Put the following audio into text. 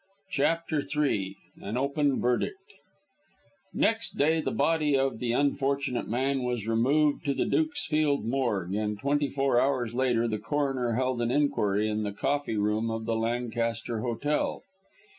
CHAPTER III AN OPEN VERDICT Next day the body of the unfortunate man was removed to the Dukesfield morgue, and twenty four hours later the coroner held an inquiry in the coffee room of the Lancaster Hotel.